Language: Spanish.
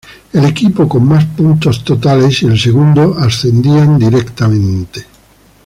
El equipo con más puntos totales y el segundo ascendían directamente.